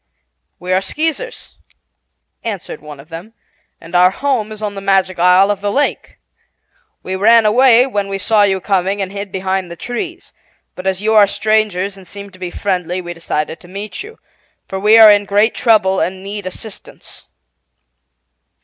"We are Skeezers," answered one of them, "and our home is on the Magic Isle of the Lake. We ran away when we saw you coming, and hid behind the trees, but as you are Strangers and seem to be friendly we decided to meet you, for we are in great trouble and need assistance."